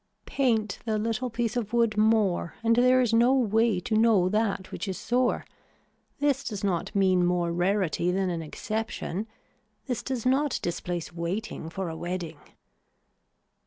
Paint the little piece of wood more and there is no way to know that which is sore. This does not mean more rarity than an exception. This does not displace waiting for a wedding.